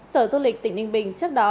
sở du lịch tỉnh ninh bình trước đó